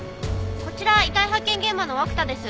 こちら遺体発見現場の涌田です。